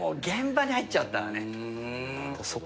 現場に入っちゃったらね。